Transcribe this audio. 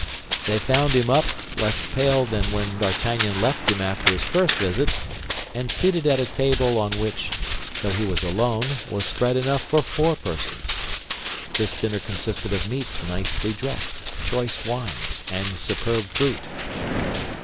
They found him up, less pale than when D'Artagnan left him after his first visit, and seated at a table on which, though he was alone, was spread enough for four persons. This dinner consisted of meats nicely dressed, choice wines, and superb fruit.